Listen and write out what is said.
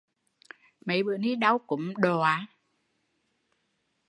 Mấy bữa ni đau cúm, đọa!